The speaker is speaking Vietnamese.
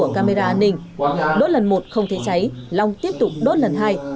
không thấy cháy long tiếp tục đốt lần hai